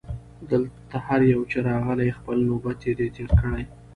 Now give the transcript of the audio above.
دلته هر یو چي راغلی خپل نوبت یې دی تېر کړی